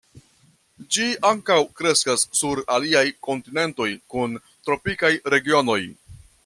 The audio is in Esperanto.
Ĝi ankaŭ kreskas sur aliaj kontinentoj kun tropikaj regionoj.